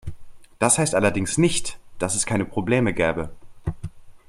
Das heißt allerdings nicht, dass es keine Probleme gäbe.